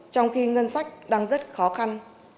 trong khi ngân sách đang rất khó khăn